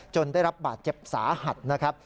ได้รับบาดเจ็บสาหัสนะครับ